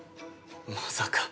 まさか。